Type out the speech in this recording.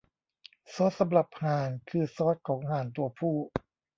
ซอสสำหรับห่านคือซอสของห่านตัวผู้